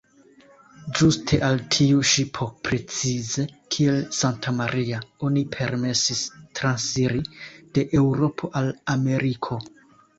Ĝuste al tiu ŝipo, precize kiel "Santa-Maria", oni permesis transiri de Eŭropo al Ameriko.